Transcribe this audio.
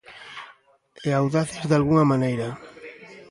E audaces, dalgunha maneira.